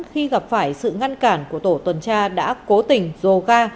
khi gặp phải sự ngăn cản của tổ tuần tra đã cố tình dồ ga